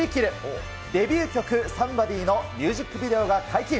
デビュー曲、ＳＯＭＥＢＯＤＹのミュージックビデオが解禁。